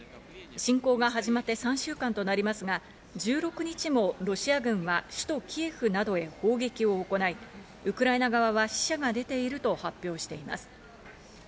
侵攻が始まって３週間となりますが、１６日もロシア軍は首都キエフなどへ砲撃を行い、ウクライナ側は死者が出ていると発表しています。